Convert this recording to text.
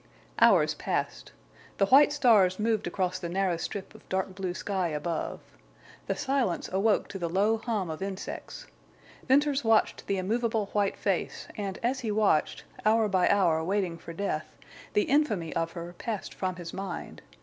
Hours passed. The white stars moved across the narrow strip of dark blue sky above. The silence awoke to the low hum of insects. Venters watched the immovable white face, and as he watched, hour by hour waiting for death, the infamy of her passed from his mind.